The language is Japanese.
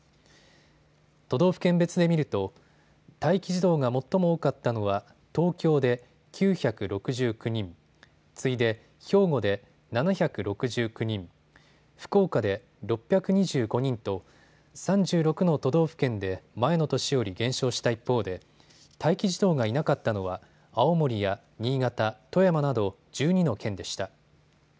都道府県別で見ると待機児童が最も多かったのは東京で９６９人、次いで兵庫で７６９人、福岡で６２５人と３６の都道府県で前の年より減少した一方で待機児童がいなかったのは青森や新潟、富山など１２の県でした。